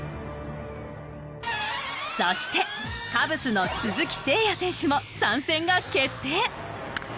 そしてカブスの鈴木誠也選手も参戦が決定。